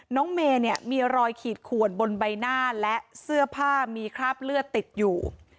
เมย์เนี่ยมีรอยขีดขวนบนใบหน้าและเสื้อผ้ามีคราบเลือดติดอยู่